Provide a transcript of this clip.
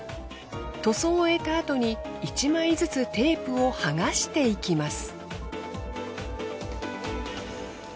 塗装を終えたあとに１枚ずつテープを剥がしていきます。